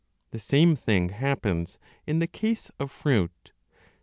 The same thing happens in the case of fruit.